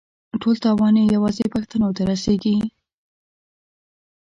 ټول تاوان یې یوازې پښتنو ته رسېږي.